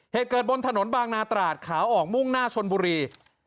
เหตุเกิดบนถนนบางนาตราดขาออกมุ่งหน้าชนบุรี